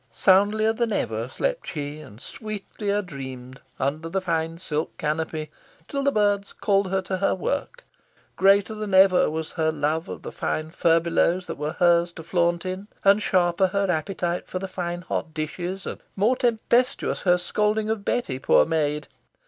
Soundlier than ever slept she, and sweetlier dreamed, under the fine silk canopy, till the birds called her to her work. Greater than ever was her love of the fine furbelows that were hers to flaunt in, and sharper her appetite for the fine hot dishes, and more tempestuous her scolding of Betty, poor maid.